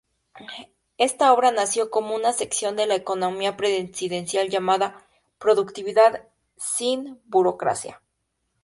Esta obra nació como una sección de La economía presidencial llamada "Productividad sin burocracia".